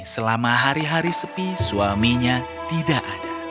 selama hari hari sepi suaminya tidak ada